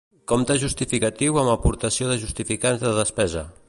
Compte justificatiu amb aportació de justificants de despesa.